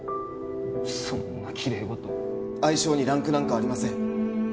そんなきれい事相性にランクなんかありません